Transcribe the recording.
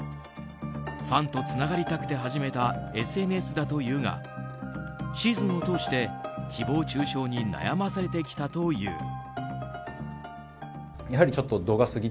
ファンとつながりたくて始めたＳＮＳだというがシーズンを通して誹謗中傷に悩まされてきたという。